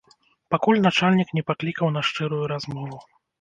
Пакуль начальнік не паклікаў на шчырую размову.